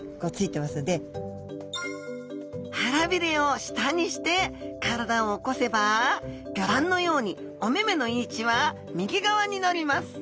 腹びれを下にして体を起こせばギョ覧のようにお目々の位置は右側になります。